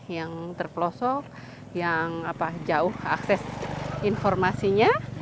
yang terpelosok yang jauh akses informasinya